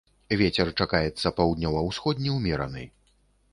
Вецер чакаецца паўднёва-ўсходні ўмераны.